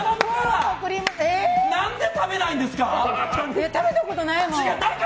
何で食べないんですか？